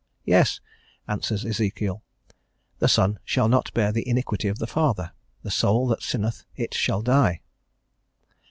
"Yes," answers Ezekiel. "The son shall not bear the iniquity of the father; the soul that sinneth it shall die."